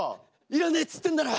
「要らねえっつってんだろ！」。